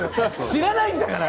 知らないんだから。